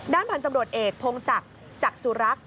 พันธุ์ตำรวจเอกพงจักรจักษุรักษ์